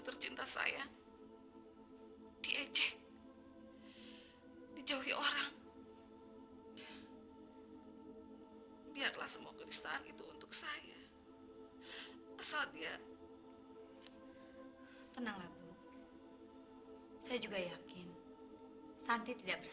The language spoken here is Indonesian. serta ada orang menjerit